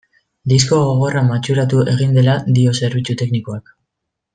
Disko gogorra matxuratu egin dela dio zerbitzu teknikoak.